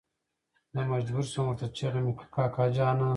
زه مجبور شوم ورته چيغه مې کړه کاکا جانه.